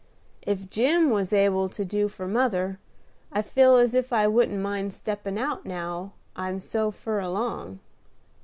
If Jim was able to do for mother, I feel as if I wouldn't mind steppin' out now I'm so fur along.